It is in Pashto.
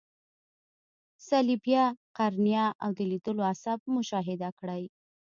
صلبیه، قرنیه او د لیدلو عصب مشاهده کړئ.